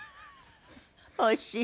おいしい？